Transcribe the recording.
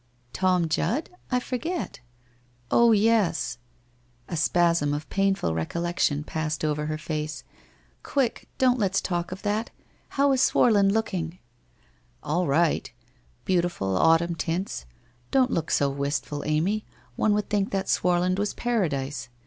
' Tom Judd ? I forget ? Oh, yes ' A spasm of painful recollection passed over her face. ' Quick ! Don't let's talk of all that. How is Swarland looking?' 'All right! Beautiful, autumn tints. Don't look so wistful, Amy; one would think that Swarland was Paradise.